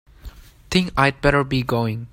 Think I'd better be going.